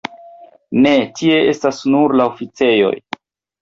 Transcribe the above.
Ne, tie estas nur la oficejoj.